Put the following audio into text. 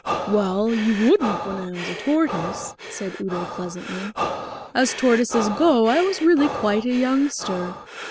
"Well, you wouldn't when I was a tortoise," said Udo pleasantly. "As tortoises go I was really quite a youngster.